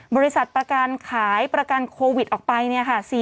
บริษัทประกันขายประกันโควิดออกไปเนี่ยค่ะ